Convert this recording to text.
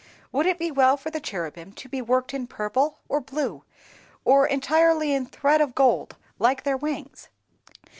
Would it be well for the cherubim to be worked in purple or blue, or entirely in thread of gold, like their wings?